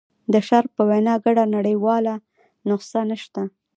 د شارپ په وینا ګډه نړیواله نسخه نشته.